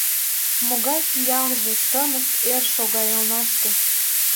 Могай пиалже: тыныс эр шога элнаште!